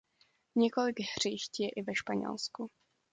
Několik hřišť je i ve Španělsku.